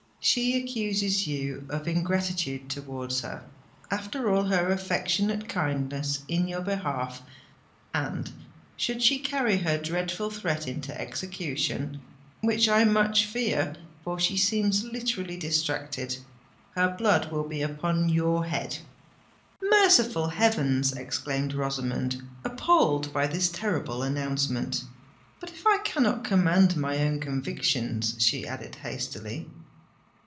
She accuses you of ingratitude towards her, after all her affectionate kindness in your behalf; and, should she carry her dreadful threat into execution—which I much fear, for she seems literally distracted—her blood will be upon your head!" "Merciful heavens!" exclaimed Rosamond, appalled by this terrible announcement. "But if I cannot command my own convictions?" she added hastily.